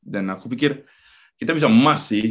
dan aku pikir kita bisa emas sih